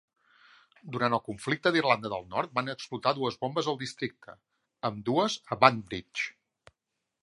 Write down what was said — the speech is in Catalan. Durant el conflicte d'Irlanda del Nord van explotar dues bombes al districte, ambdues a Banbridge.